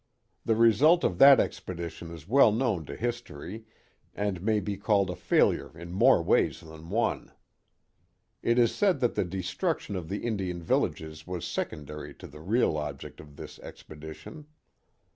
The result of that expedition is well known to his tory, and may be called a failure in more ways than one. It is said that the destruction of the Indian villages was secondary to the real object of this expedition.